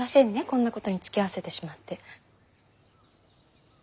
こんなことにつきあわせてしまって。